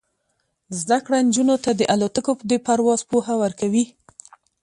زده کړه نجونو ته د الوتکو د پرواز پوهه ورکوي.